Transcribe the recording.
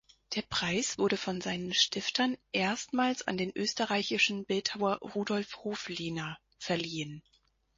Der Preis wurde von seinen Stiftern erstmals an den österreichischen Bildhauer Rudolf Hoflehner verliehen.